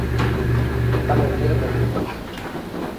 Cada dia dormo m